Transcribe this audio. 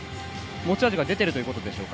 持ち味が出ているということでしょうか。